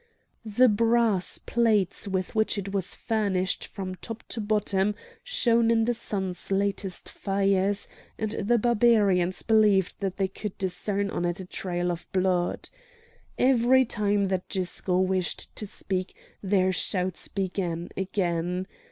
The brass plates with which it was furnished from top to bottom shone in the sun's latest fires, and the Barbarians believed that they could discern on it a trail of blood. Every time that Gisco wished to speak their shouts began again.